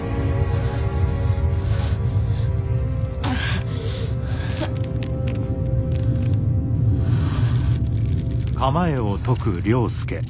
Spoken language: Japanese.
はあはあ。